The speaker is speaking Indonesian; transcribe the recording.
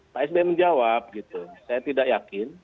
pak sby menjawab gitu saya tidak yakin